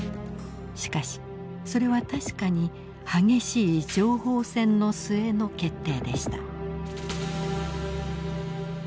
しかしそれは確かに激しい情報戦の末の決定でした。